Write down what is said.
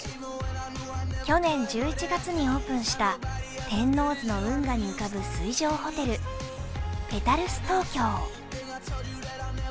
去年１１月にオープンした天王洲の運河に浮かぶ水上ホテルＰＥＴＡＬＳＴＯＫＹＯ。